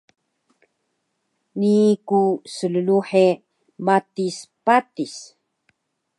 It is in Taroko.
Nii ku slluhe matis patis